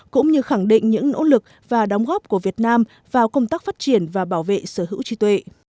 cũng như khẳng định những nỗ lực và đóng góp của việt nam vào công tác phát triển và bảo vệ sở hữu trí tuệ